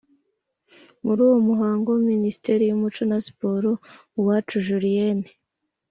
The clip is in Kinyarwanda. muri uwo muhango, minisitiri w’umuco na siporo, uwacu julienne,